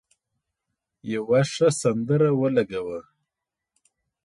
یو ښه سندره ولګوه.